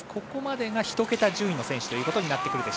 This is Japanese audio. ここまでが１桁順位の選手です。